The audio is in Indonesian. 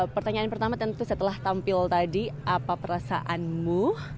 pertanyaan pertama tentu setelah tampil tadi apa perasaanmu